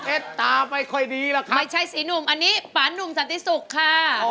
เอ๊ะตาไม่ค่อยดีเหรอครับไม่ใช่สีหนุ่มอันนี้ปานุ่มสันติสุกค่ะ